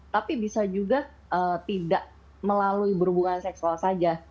tapi bisa juga tidak melalui berhubungan seksual saja